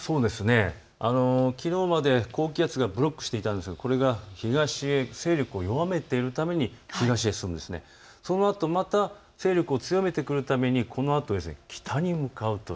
きのうまで高気圧がブロックしていたんですがこれが東へ勢力を弱めているために東へ進んでいる、そのあとまた勢力を強めてくるために北に向かうと。